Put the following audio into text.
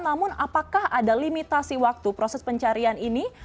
namun apakah ada limitasi waktu proses pencarian ini